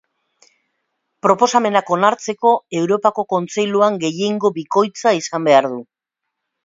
Proposamenak onartzeko Europako Kontseiluan gehiengo bikoitza izan behar du.